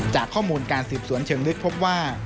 จากข้อมูลการสืบสวนเชิงลึกพบว่า